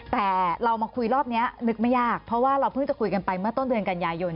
แต่เรามาคุยรอบนี้นึกไม่ยากเพราะว่าเราเพิ่งจะคุยกันไปเมื่อต้นเดือนกันยายน